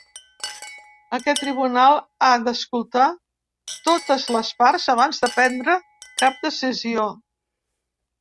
Aquest tribunal ha d’escoltar totes les parts abans de prendre cap decisió.